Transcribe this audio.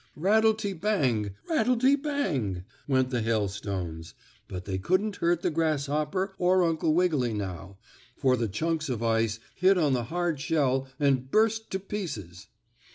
Rattle te bang! Rattle te bang! went the hailstones, but they couldn't hurt the grasshopper or Uncle Wiggily now, for the chunks of ice hit on the hard shell and burst to pieces.